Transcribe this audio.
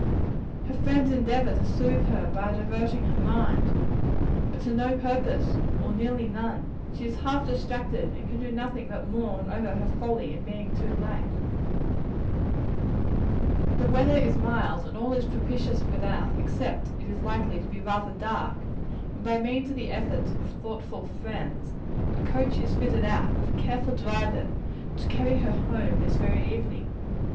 Her friends endeavor to soothe her by diverting her mind but to no purpose, or nearly none: she is half distracted, and can do nothing but mourn over her folly in being so late. But the weather is mild, and all is propitious without, except that it is likely to be rather dark; and by means of the efforts of thoughtful friends, a coach is fitted out with a careful driver, to carry her home this very evening.